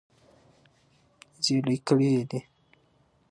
زېلې کړي دي -